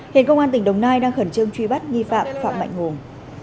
hiện công an tỉnh đồng nai đang khẩn trương truy bắt nghi phạm phạm mạnh hùng